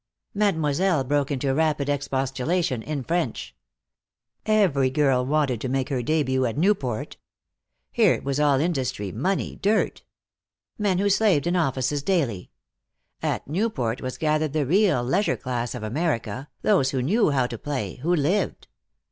Mademoiselle broke into rapid expostulation, in French. Every girl wanted to make her debut at Newport. Here it was all industry, money, dirt. Men who slaved in offices daily. At Newport was gathered the real leisure class of America, those who knew how to play, who lived.